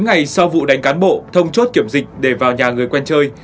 một mươi bốn ngày sau vụ đánh cán bộ thông chốt kiểm dịch để vào nhà người quen chơi